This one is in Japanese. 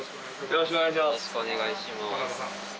よろしくお願いします。